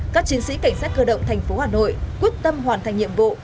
các chiến sĩ cảnh sát cơ động thành phố hà nội quyết tâm hoàn thành nhiệm vụ